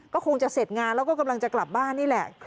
ก็คงจะเสร็จงานแล้วก็กำลังจะกลับบ้านนี่แหละ